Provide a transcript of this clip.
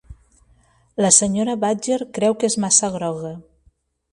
La senyora Badger creu que és massa groga.